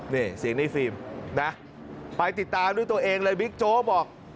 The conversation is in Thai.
นี่เสียงในฟิล์มนะไปติดตามด้วยตัวเองเลยบิ๊กโจ๊กบอก